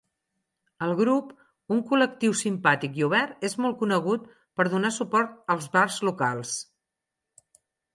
El grup, un col·lectiu simpàtic i obert, és molt conegut per donar suport als bars locals.